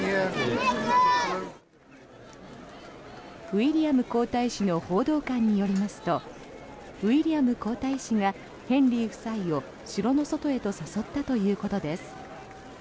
ウィリアム皇太子の報道官によりますとウィリアム皇太子がヘンリー夫妻を城の外へ誘ったということです。